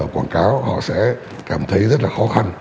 quảng cáo họ sẽ cảm thấy rất là khó khăn